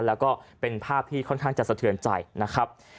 แล้วก็เป็นภาพที่ค่อนข้างจะสะเทือนใจนะครับ